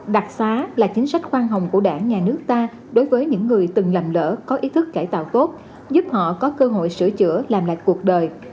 đặc xá là chính sách khoan hồng của đảng nhà nước ta đối với những người từng lầm lỡ có ý thức cải tạo tốt giúp họ có cơ hội sửa chữa làm lại cuộc đời